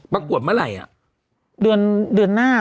ประกวดเมื่อไหร่อะ